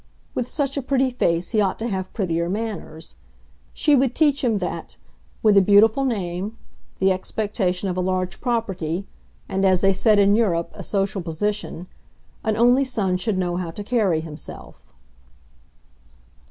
With such a pretty face he ought to have prettier manners. She would teach him that, with a beautiful name, the expectation of a large property, and, as they said in Europe, a social position, an only son should know how to carry himself.